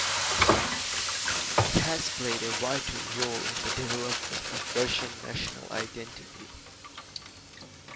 It has played a vital role in the development of Russian national identity.